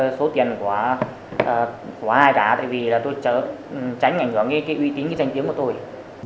tại vì là tôi tránh ảnh hưởng cái uy tín cái danh tiếng của tôi